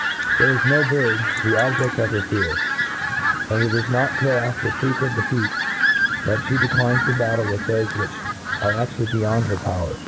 There is no bird the objcfk of her fear f and it is not till after frequent defeats, that' Ihc declines the battle with thofe which are aftually beyond her power.